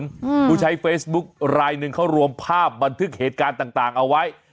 กูใช้เฟซบุ๊กไลน์นึงเขารวมภาพบันทึกเหตุการณ์ต่างเอาไว้